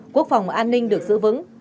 quốc phòng an ninh được giữ vững